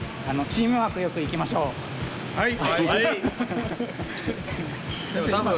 はい！